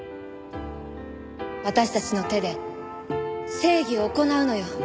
私たちの手で正義を行うのよ！